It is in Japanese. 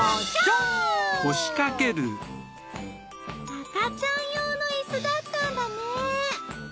赤ちゃん用の椅子だったんだね。